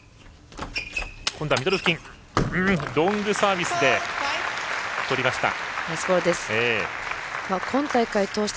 ロングサービスで取りました。